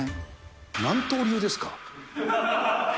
何刀流ですか？